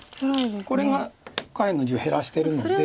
これが下辺の地を減らしてるので。